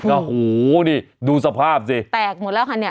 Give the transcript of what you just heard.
โอ้โหนี่ดูสภาพสิแตกหมดแล้วค่ะเนี่ย